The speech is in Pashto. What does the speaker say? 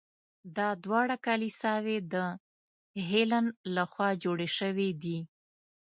دا دواړه کلیساوې د هیلن له خوا جوړې شوي دي.